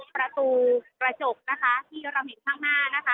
ประตูประจกที่เราเห็นข้างหน้า